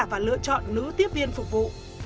và lựa chọn nữ tiếp viên phục vụ